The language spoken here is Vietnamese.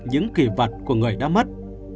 những kỳ vật của người đã mất